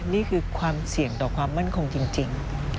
นี่คือความเสี่ยงต่อความมั่นคงจริง